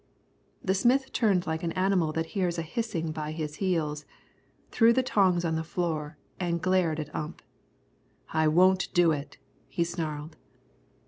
The smith turned like an animal that hears a hissing by his heels, threw the tongs on the floor, and glared at Ump. "I won't do it," he snarled.